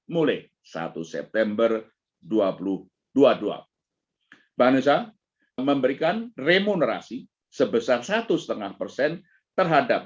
mulai satu september dua ribu dua puluh dua bank indonesia memberikan remunerasi sebesar satu lima persen terhadap